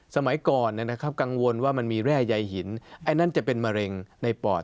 สมัยก่อนนะครับกังวลว่ามันมีแร่ใยหินไอ้นั่นจะเป็นมะเร็งในปอด